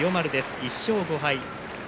１勝５敗。